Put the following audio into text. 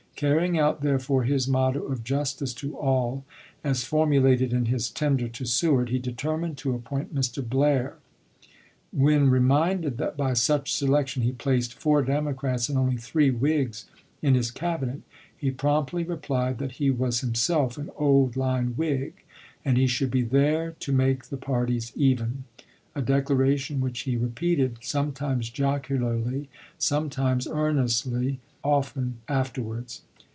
Carrying out, therefore, his motto of " Justice to all," as formu lated in his tender to Seward, he determined to appoint Mr. Blair. When reminded that by such selection he placed four Democrats and only three Whigs in his Cabinet, he promptly replied that " he was himself an old line Whig, and he should be there to make the parties even"; a declaration which he repeated, sometimes jocularly, sometimes earnestly, often afterwards.